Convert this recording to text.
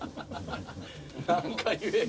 何か言えよ。